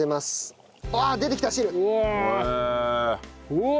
うわ！